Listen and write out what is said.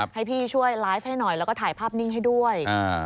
ให้พี่ช่วยไลฟ์ให้หน่อยแล้วก็ถ่ายภาพนิ่งให้ด้วย